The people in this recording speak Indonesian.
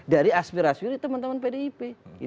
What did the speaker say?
dari aspirasi teman teman pdip